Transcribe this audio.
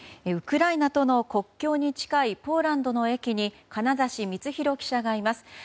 ウクライナとの国境に近いポーランドの駅に金指光宏記者がいます。